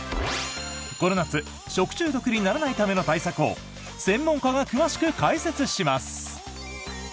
この夏食中毒にならないための対策を専門家が詳しく解説します！